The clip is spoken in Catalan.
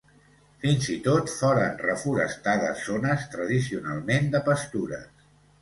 Fins i tot foren reforestades zones tradicionalment de pastures.